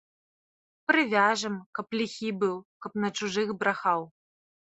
Прывяжам, каб ліхі быў, каб на чужых брахаў.